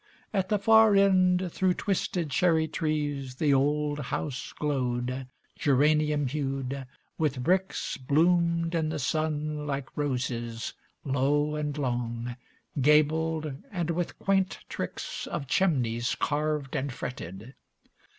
At the far end through twisted cherry trees The old house glowed, geranium hued, with bricks Bloomed in the sun like roses, low and long, Gabled, and with quaint tricks Of chimneys carved and fretted.